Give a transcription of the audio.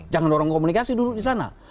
jangan dorong komunikasi duduk di sana